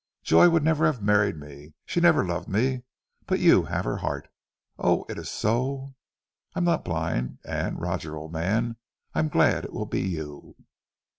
Joy would never have married me ... she never loved me, but you have her heart! Oh, it is so ... I'm not blind, and, Roger, old man, I'm glad it will be you."